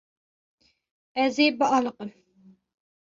Ez ê bialiqim.